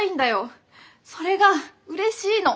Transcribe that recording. それがうれしいの。